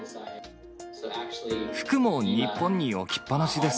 服も日本に置きっぱなしです。